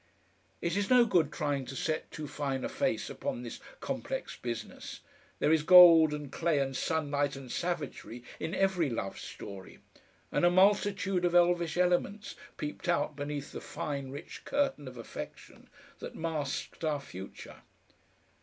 It is no good trying to set too fine a face upon this complex business, there is gold and clay and sunlight and savagery in every love story, and a multitude of elvish elements peeped out beneath the fine rich curtain of affection that masked our future.